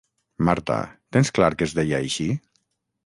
Marta, tens clar que es deia així?